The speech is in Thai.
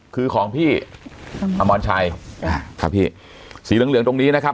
คือของพี่อมรชัยอ่าครับพี่สีเหลืองเหลืองตรงนี้นะครับ